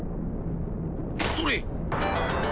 それ！